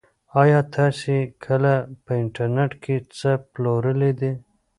ایا تاسي کله په انټرنيټ کې څه پلورلي دي؟